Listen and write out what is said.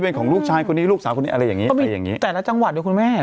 เป็นของลูกชายลูกสาวคนนี้อะไรอย่างนี้แต่ละจังหวัดด้วยคุณแม่